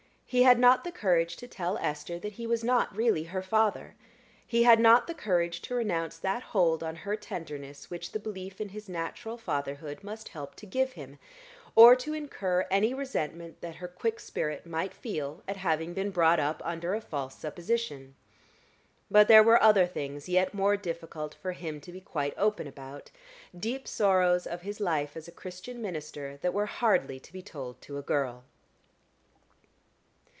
He had not the courage to tell Esther that he was not really her father: he had not the courage to renounce that hold on her tenderness which the belief in his natural fatherhood must help to give him, or to incur any resentment that her quick spirit might feel at having been brought up under a false supposition. But there were other things yet more difficult for him to be quite open about deep sorrows of his life as a Christian minister that were hardly to be told to a girl.